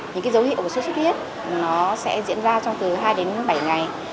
những cái dấu hiệu của sốt xuất huyết nó sẽ diễn ra trong từ hai đến bảy ngày